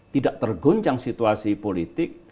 tidak tergoncang situasi politik